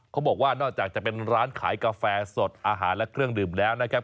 เขาบอกว่านอกจากจะเป็นร้านขายกาแฟสดอาหารและเครื่องดื่มแล้วนะครับ